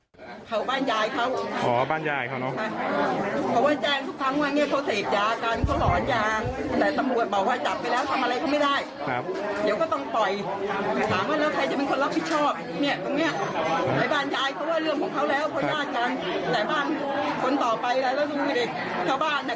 ชาวบ้านไหนก็ต้องตื่นตนออกไปขนาดไหน